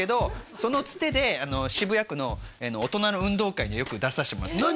そのツテで渋谷区の大人の運動会によく出さしてもらってます何？